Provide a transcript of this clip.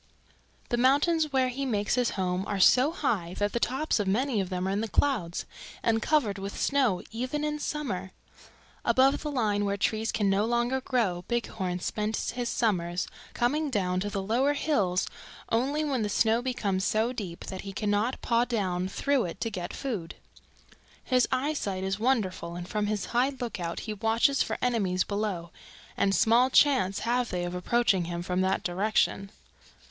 "The mountains where he makes his home are so high that the tops of many of them are in the clouds and covered with snow even in summer. Above the line where trees can no longer grow Bighorn spends his summers, coming down to the lower hills only when the snow becomes so deep that he cannot paw down through it to get food. His eyesight is wonderful and from his high lookout he watches for enemies below, and small chance have they of approaching him from that direction.